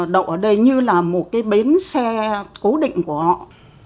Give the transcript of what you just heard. đậu ở đây như là một cái bến xe cố định của họ